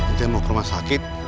kita mau ke rumah sakit